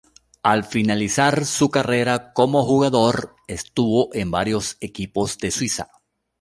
Al finalizar su carrera como jugador, estuvo en varios equipos de Suiza.